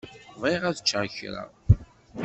Bɣiɣ ad ččeɣ kra.